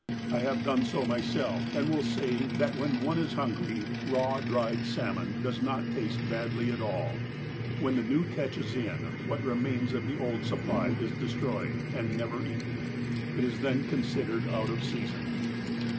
I have done so myself, and will say that when one is hungry, raw, dried salmon does not taste badly at all. When the new catch is in, what remains of the old supply is des troyed, and never eaten. It is then considered out of season.